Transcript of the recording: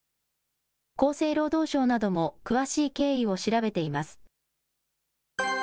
厚生労働省なども詳しい経緯を調べています。